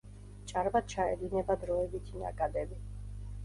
ჭარბად ჩაედინება დროებითი ნაკადები.